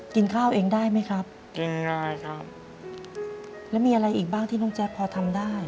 กินข้าวเองได้ไหมครับกินได้ครับแล้วมีอะไรอีกบ้างที่น้องแจ๊คพอทำได้